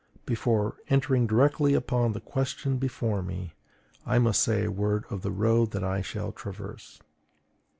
Before entering directly upon the question before me, I must say a word of the road that I shall traverse.